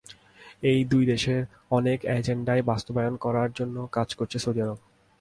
এই দুই দেশের অনেক এজেন্ডাই বাস্তবায়ন করার জন্য কাজ করছে সৌদি আরব।